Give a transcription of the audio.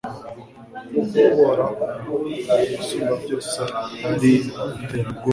kuko Uhoraho Umusumbabyose ari Ruterabwoba